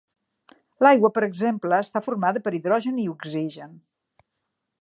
L'aigua, per exemple, està formada per hidrogen i oxigen.